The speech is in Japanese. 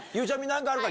何かあるか？